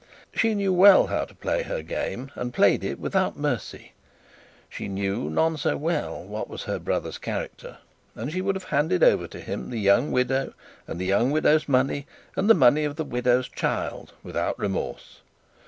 She knew well how to play her game, and played it without mercy; she knew, none so well, what was her brother's character, and she would have handed over to him the young widow, and the young widow's money, and the money of the widow's child, without remorse.